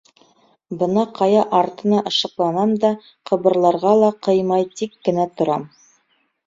— Бына ҡая артына ышыҡланам да ҡыбырларға ла ҡыймай тик кенә торам.